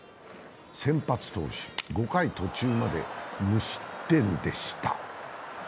先発投手、５回途中まで無失点でした。